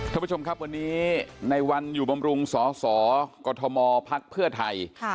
ท่านผู้ชมครับวันนี้ในวันอยู่บำรุงสสกฎธมภักดิ์เพื่อไทย